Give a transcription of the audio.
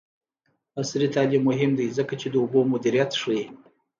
عصري تعلیم مهم دی ځکه چې د اوبو مدیریت ښيي.